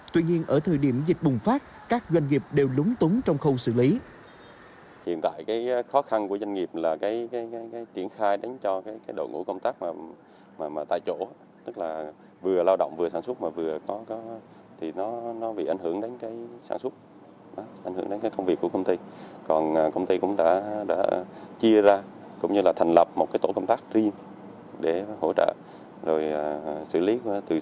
tuy nhiên ở thời điểm dịch bùng phát các doanh nghiệp đều lúng túng trong khâu xử lý